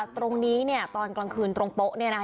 ตรงนี้เนี่ยตอนกลางคืนตรงโป๊ะเนี่ยนะคะ